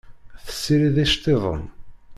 Tessirid iceṭṭiden.